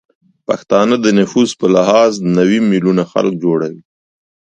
پښتانه د نفوس به لحاظ نوې میلیونه خلک جوړوي